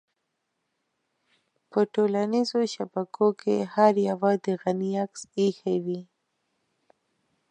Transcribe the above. په ټولنيزو شبکو کې هر يوه د غني عکس اېښی وي.